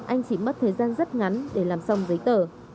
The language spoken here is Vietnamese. anh chỉ mất thời gian rất ngắn để làm xong giấy tờ